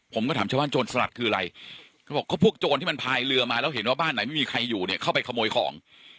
ผมก็ถามชะวัญจนสลัดคืออะไรมันฟังว่าพวกโจรที่ถ่ายเรือมาเห็นว่าบ้านไม่มีใครอยู่เข้าไปขโมยของ